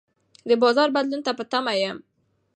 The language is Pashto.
د بازار بدلون ته په تمه یم.